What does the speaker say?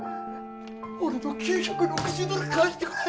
俺の９６０ドル返してくれ！